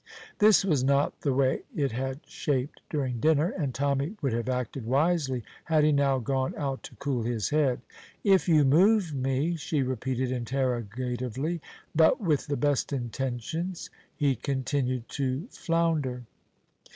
This was not the way it had shaped during dinner, and Tommy would have acted wisely had he now gone out to cool his head. "If you moved me?" she repeated interrogatively; but, with the best intentions, he continued to flounder.